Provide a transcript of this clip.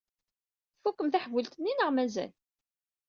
Tfukkem taḥbult-nni neɣ mazal?